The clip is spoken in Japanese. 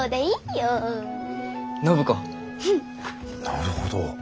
なるほど。